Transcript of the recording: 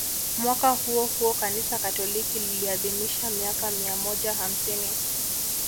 Mwaka huo huo Kanisa Katoliki liliadhimisha miaka mia moja hamsini